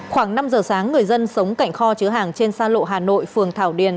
khoảng năm giờ sáng người dân sống cảnh kho chứa hàng trên sa lộ hà nội phường thảo điền